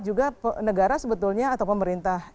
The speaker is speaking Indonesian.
juga negara sebetulnya atau pemerintah